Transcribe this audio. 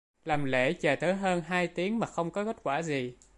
làm lễ chờ tới hơn hai tiếng mà không có kết quả gì